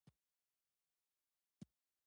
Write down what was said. سږکال د جوارو من په څو خرڅېږي؟